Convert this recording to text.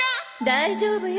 大丈夫よ。